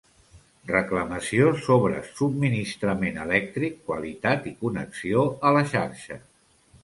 Reclamació sobre subministrament elèctric, qualitat i connexió a la xarxa.